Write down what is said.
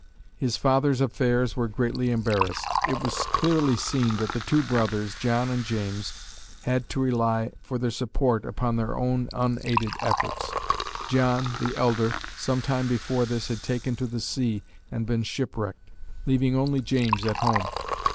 His father's affairs were greatly embarrassed. It was clearly seen that the two brothers, John and James, had to rely for their support upon their own unaided efforts. John, the elder, some time before this had taken to the sea and been shipwrecked, leaving only James at home.